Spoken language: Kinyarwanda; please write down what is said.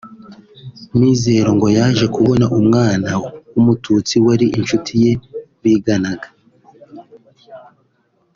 Mizero ngo yaje kubona umwana w’umututsi wari inshuti ye biganaga